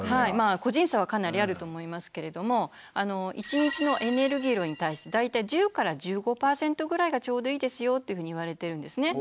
個人差はかなりあると思いますけれども１日のエネルギー量に対して大体１０１５％ぐらいがちょうどいいですよっていうふうに言われてるんですね。